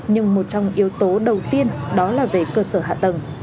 nhưng một trong yếu tố đầu tiên đó là về cơ sở hạ tầng